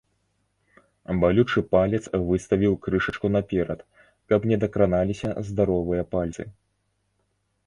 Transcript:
Балючы палец выставіў крышачку наперад, каб не дакраналіся здаровыя пальцы.